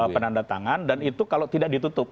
penandatangan dan itu kalau tidak ditutup